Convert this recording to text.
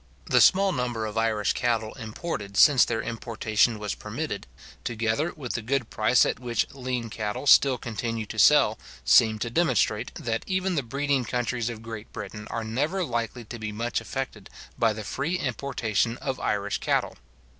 The small number of Irish cattle imported since their importation was permitted, together with the good price at which lean cattle still continue to sell, seem to demonstrate, that even the breeding countries of Great Britain are never likely to be much affected by the free importation of Irish cattle.